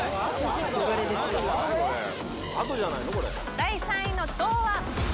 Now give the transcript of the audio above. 第３位の銅は。